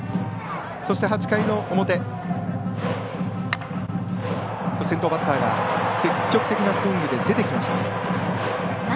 ８回の表先頭バッターが積極的なスイングで出てきました。